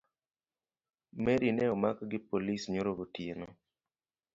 Mary ne omak gi polis nyoro gotieno